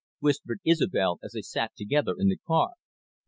whispered Isobel as they sat together in the car.